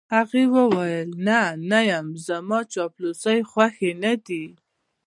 هغې وویل: نه، نه یم، زما چاپلوسۍ خوښې نه دي.